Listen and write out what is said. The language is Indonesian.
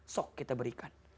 sok kita berikan